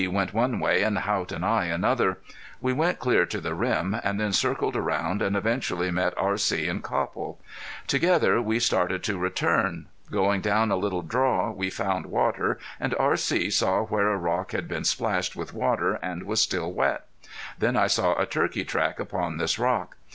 went one way and Haught and I another. We went clear to the rim, and then circled around, and eventually met R.C. and Copple. Together we started to return. Going down a little draw we found water, and R.C. saw where a rock had been splashed with water and was still wet. Then I saw a turkey track upon this rock.